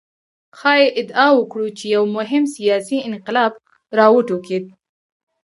ښايي ادعا وکړو چې یو مهم سیاسي انقلاب راوټوکېد.